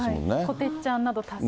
こてっちゃんなど、多数ＣＭ。